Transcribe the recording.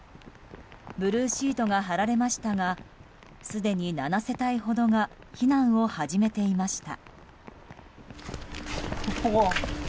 ブルーシートが張られましたがすでに７世帯ほどが避難を始めていました。